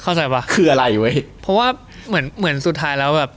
เข้าใจว่าคืออะไรเว้ยเพราะว่าเหมือนเหมือนสุดท้ายแล้วแบบ